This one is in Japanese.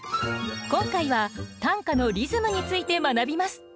今回は短歌のリズムについて学びます。